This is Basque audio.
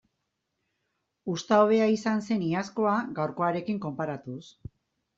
Uzta hobea izan zen iazkoa gaurkoarekin konparatuz.